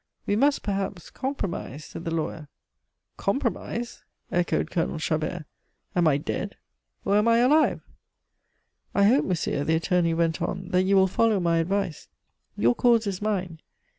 "We must perhaps compromise," said the lawyer. "Compromise!" echoed Colonel Chabert. "Am I dead, or am I alive?" "I hope, monsieur," the attorney went on, "that you will follow my advice. Your cause is mine.